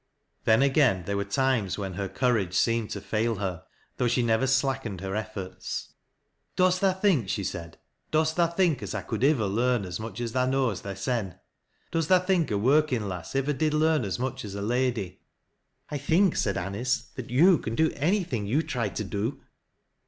Then again there were times when her courage seemed tc fail her, though she never slackened her efforts. Ill " Dost tha think," she said, " dost tha think as I coula ivver learn as much as tha knows thysen ? Does tha think a workin' lass ivver did learn as much as a lady ?"" I think," said Anice, " that you can do anything you (ry to do."